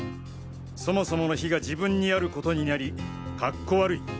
そもそもの非が自分にあることになりカッコ悪い！